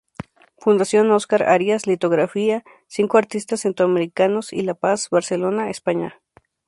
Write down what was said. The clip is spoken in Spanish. Fundación Oscar Arias: litografía Cinco Artistas Centroamericanos y la Paz, Barcelona, España.